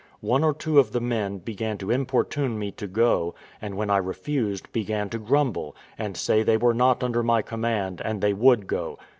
One or two of the men began to importune me to go; and when I refused, began to grumble, and say they were not under my command, and they would go.